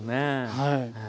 はい。